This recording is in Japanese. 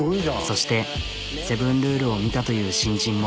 そして「セブンルール」を見たという新人も。